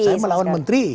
saya melawan menteri